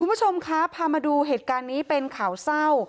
คุณผู้ชมคะพามาดูเหตุการณ์นี้เป็นข่าวเศร้า